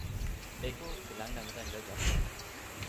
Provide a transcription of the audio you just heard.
Eco gelang damit ein Welterfolg.